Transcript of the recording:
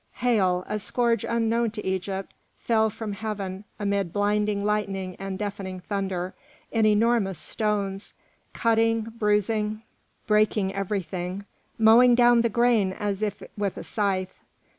Hail, a scourge unknown to Egypt, fell from Heaven amid blinding lightning and deafening thunder, in enormous stones, cutting, bruising, breaking everything, mowing down the grain as if with a scythe.